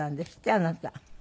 あなた。